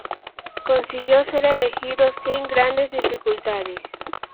Consiguió ser elegido sin grandes dificultades.